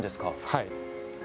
はい。